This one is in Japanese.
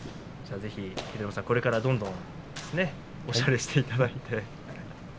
これからどんどんおしゃれしていただいて。